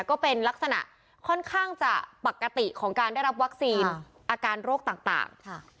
ก็เป็นลักษณะค่อนข้างจะปกติของการได้รับวัคซีนอาการโรคต่าง